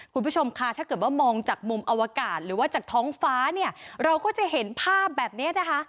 คุณผู้ชมค่ะถ้าเกิดว่ามองจากมุมอวกาศหรือว่าจากท้องฟ้าเนี่ยเราก็จะเห็นภาพแบบนี้นะคะ